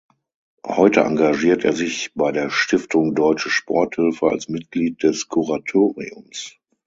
Heute engagiert er sich bei der Stiftung Deutsche Sporthilfe als Mitglied des Kuratoriums.